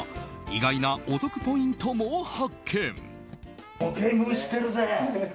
意外なお得ポイントも発見。